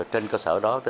trên cơ sở đó